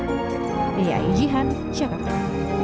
ria ijihan jakarta